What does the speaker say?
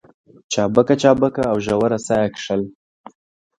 چابکه چابکه او ژوره ساه يې کښل.